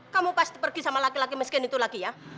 kamu pasti pergi sama laki laki miskin itu lagi ya